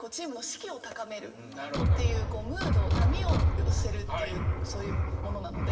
ムード波を寄せるっていうそういうものなので。